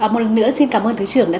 một lần nữa xin cảm ơn tứ trưởng đã